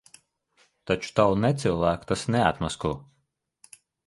Taču tavu necilvēku tas neatmasko.